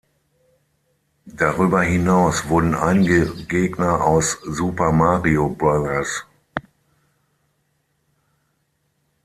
Darüber hinaus wurden einige Gegner aus "Super Mario Bros.